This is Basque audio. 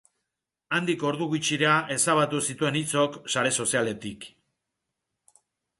Handik ordu gutxira ezabatu zituen hitzok sare sozialetik.